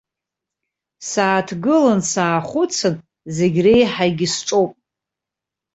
Сааҭгылан, саахәыцын, зегь реиҳагьы сҿоуп!